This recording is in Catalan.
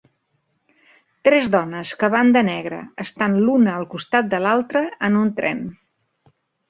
Tres dones que van de negre estan l'una al costat de l'altra en un tren.